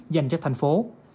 dành cho thành phố